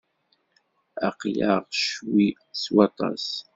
Aql-aɣ ccwi s waṭas.